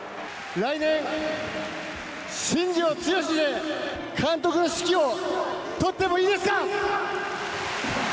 来年、新庄剛志で監督の指揮を執ってもいいですか？